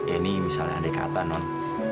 ini misalnya ada kata non